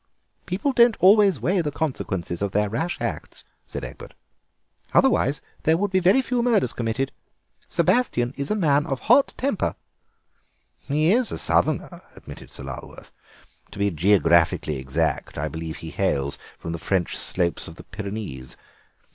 "People don't always weigh the consequences of their rash acts," said Egbert, "otherwise there would be very few murders committed. Sebastien is a man of hot temper." "He is a southerner," admitted Sir Lulworth; "to be geographically exact I believe he hails from the French slopes of the Pyrenees.